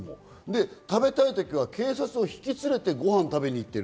食べたい時は警察を引き連れてご飯を食べに行っている。